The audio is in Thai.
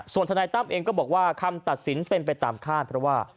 ส่วนทนายตั้มเองก็บอกว่าคำตัดสินเป็นไปตามคาดเพราะว่า